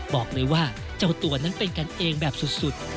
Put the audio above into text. บอกเลยว่าเจ้าตัวนั้นเป็นกันเองแบบสุด